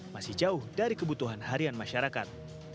masih jauh dari kebutuhan harian masyarakat